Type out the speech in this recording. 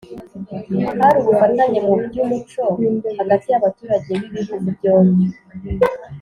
Hari ubufatanye mu by’umuco hagati y’abaturage b’ibihugu byombi